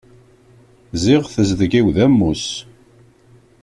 Ziɣ tezdeg-iw d ammus.